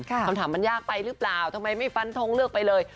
คำถามมันยากไปหรือเปล่าทำไมไม่ฟันทงเลือกไปเลย